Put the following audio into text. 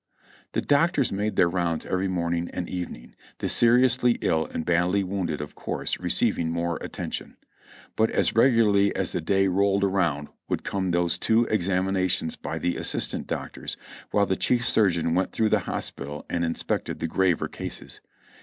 The doctors made their rounds every morning and evening, the seriously ill and badly wounded of course receiving more at tention; but as regularly as the day rolled around would come those two examinations by the assistant doctors, while the chief surgeon went through the hospital and inspected the graver cases.